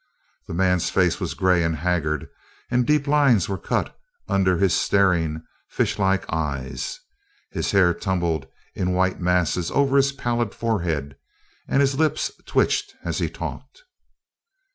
The man's face was gray and haggard, and deep lines were cut under his staring, fish like eyes. His hair tumbled in white masses over his pallid forehead, and his lips twitched as he talked.